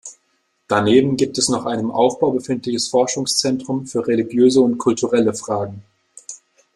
Daneben gibt es noch ein im Aufbau befindliches Forschungszentrum für religiöse und kulturelle Fragen.